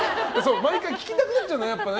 毎回聞きたくなっちゃうよね。